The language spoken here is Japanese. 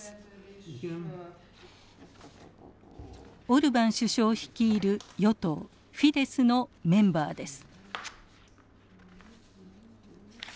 オルバン首相率いる与党フィデスのメンバーです。